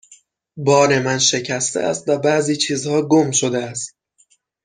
بار من شکسته است و بعضی چیزها گم شده است.